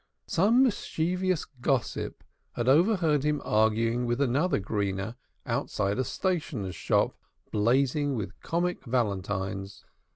Some mischievous gossip had heard him arguing with another Greener outside a stationer's shop blazing with comic valentines.